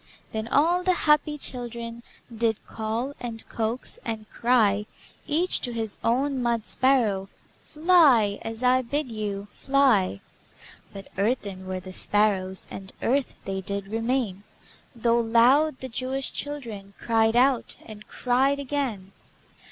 Then all the happy children Did call, and coax, and cry Each to his own mud sparrow: "Fly, as I bid you! Fly!" But earthen were the sparrows, And earth they did remain, Though loud the Jewish children Cried out, and cried again.